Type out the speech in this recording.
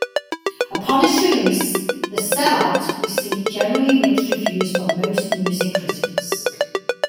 Upon its release, "The Sellout" received generally mixed reviews from most music critics.